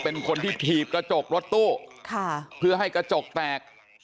เป็นคนที่ถีบกระจกรถตู้เพื่อให้กระจกแตก